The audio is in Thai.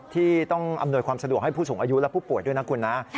ที่ต้องอำนวยความสะดวกให้ผู้สูงอายุและผู้ป่วยด้วยนะคุณนะ